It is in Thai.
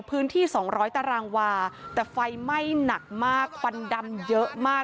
พื้นที่๒๐๐ตารางวาแต่ไฟไหม้หนักมากควันดำเยอะมาก